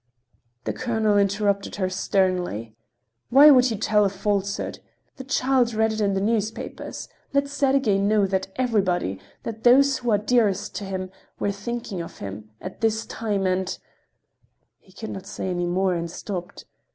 The colonel interrupted her sternly: "Why should you tell a falsehood? The child read it in the newspapers. Let Sergey know that everybody—that those who are dearest to him—were thinking of him—at this time—and—" He could not say any more and stopped.